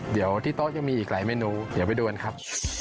เดี๋ยวที่โต๊ะยังมีอีกหลายเมนูเดี๋ยวไปดูกันครับ